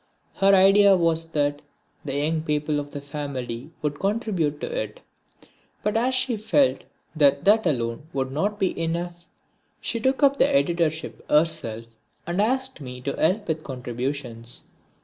Her idea was that the young people of the family would contribute to it, but as she felt that that alone would not be enough, she took up the editorship herself and asked me to help with contributions.